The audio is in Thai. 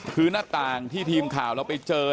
คือหน้าต่างที่ทีมข่าวเราไปเจอ